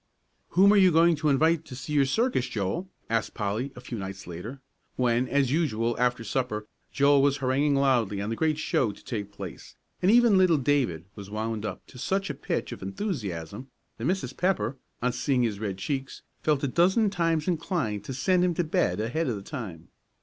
"Whom are you going to invite to see your circus, Joel?" asked Polly, a few nights later, when, as usual, after supper, Joel was haranguing loudly on the great show to take place, and even little David was wound up to such a pitch of enthusiasm that Mrs. Pepper, on seeing his red cheeks, felt a dozen times inclined to send him to bed ahead of the time.